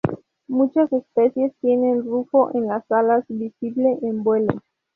Muchas especies tienen rufo en las alas, visible en vuelo.